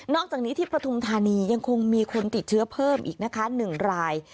อกจากนี้ที่ปฐุมธานียังคงมีคนติดเชื้อเพิ่มอีกนะคะ๑ราย